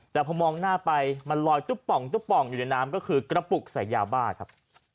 แต่พอมองหน้าไปมันลอยตุ๊บป่องตุ๊บป่องอยู่ในน้ำก็คือกระปุกใส่ยาบ้าครับ